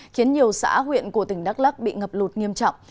khiến nhiều xã huyện của tỉnh đắk lắc bị ngập lụt nghiêm trọng